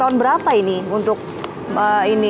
tahun berapa ini untuk ini